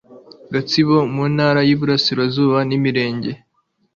gatsibo muntara yiburasirazuba nimirenge